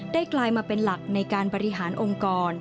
กลายมาเป็นหลักในการบริหารองค์กร